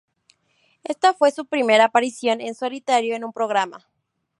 Esta fue su primera aparición en solitario en un programa.